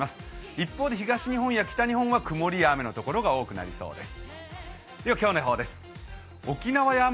一方で東日本や北日本は曇りや雨のところが多くなります。